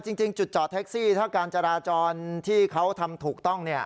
จริงจุดจอดแท็กซี่ถ้าการจราจรที่เขาทำถูกต้องเนี่ย